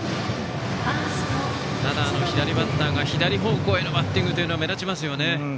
ただ、左バッターが左方向へのバッティングが目立ちますよね。